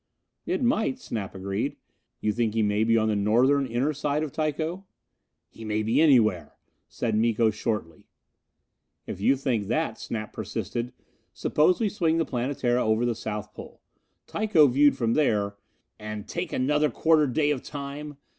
"[B] "It might," Snap agreed. "You think he may be on the Northern inner side of Tycho?" "He may be anywhere," said Miko shortly. "If you think that," Snap persisted, "suppose we swing the Planetara over the South Pole. Tycho, viewed from there " "And take another quarter day of time?"